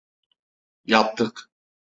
Yaptık…